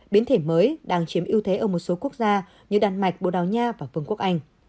biến thể mới đang chiếm ưu thế ở một số quốc gia như đan mạch bồ đào nha và vương quốc anh